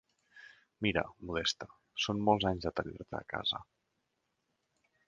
Mira, Modesta, són molts anys de tenir-te a casa.